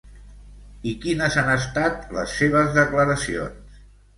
I quines han estat les seves declaracions?